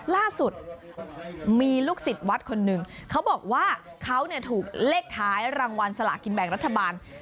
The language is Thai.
ล่าสุดมีลูกศิษย์วัดคนหนึ่งเขาบอกว่าเขาถูกเลขท้ายรางวัลสลากินแบ่งรัฐบาล